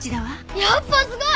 やっぱすごい！